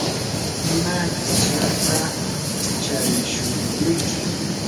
¿ima qishyataq charishuruyki?